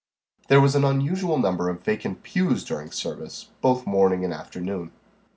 There was an unusual number of vacant pews during service, both morning and afternoon.